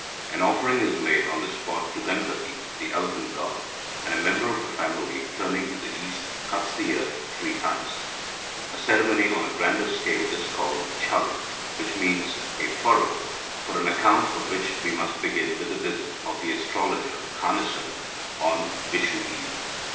An offering is made on the spot to Ganapathi (the elephant god), and a member of the family, turning to the east, cuts the earth three times. A ceremony on a grander scale is called the Chal, which literally means a furrow, for an account of which we must begin with the visit of the astrologer (Kanisan) on Vishu eve.